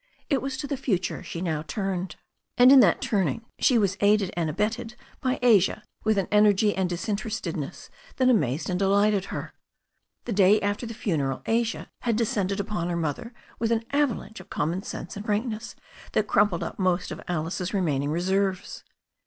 It was to the future she now turned. And in that turning she was aided and abetted by Asia with an energy and disinterestedness that amazed and de lighted her. The day after the funeral Asia had descended upon her mother with an avalanche of common sense and frankness that crumpled up most of Alice's remaining re serves.